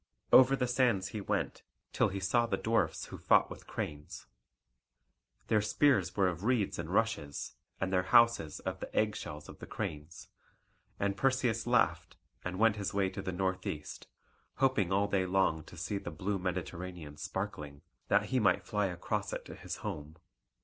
Over the sands he went, till he saw the Dwarfs who fought with cranes. Their spears were of reeds and rushes, and their houses of the eggshells of the cranes; and Perseus laughed, and went his way to the northeast, hoping all day long to see the blue Mediterranean sparkling, that he might fly across it to his home.